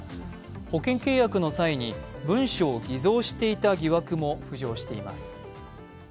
保険契約の際に文書を偽造していた疑惑も浮上しています。